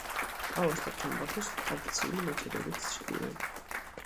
ყავას და თამბაქოს ტრადიციული მეთოდებით ზრდიან.